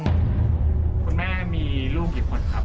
คุณแม่มีลูกกี่คนครับ